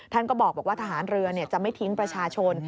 ท่านก็บอกว่าทหารเรือจะไม่ทิ้งประชาชน